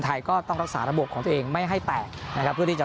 ไทยก็ต้องรักษาระบบของตัวเองไม่ให้แตกนะครับเพื่อที่จะ